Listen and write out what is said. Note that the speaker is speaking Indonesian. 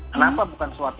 kenapa bukan suatu